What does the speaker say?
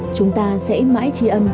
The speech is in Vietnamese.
chúng ta sẽ mãi trí ân